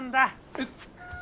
えっ。